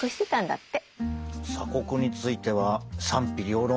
鎖国については賛否両論